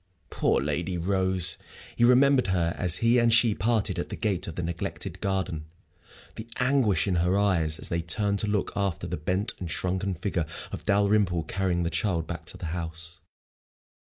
Poor Lady Rose! He remembered her as he and she parted at the gate of the neglected garden, the anguish in her eyes as they turned to look after the bent and shrunken figure of Dalrymple carrying the child back to the house.